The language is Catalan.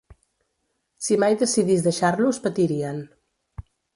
Si mai decidís deixar-los, patirien.